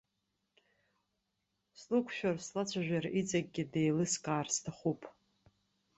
Слықәшәар, слацәажәар, иҵегьгьы деилыскаар сҭахуп.